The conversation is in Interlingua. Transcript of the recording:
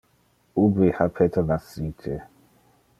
Ubi ha Peter nascite?